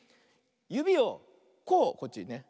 ゆびをこうこっちにね。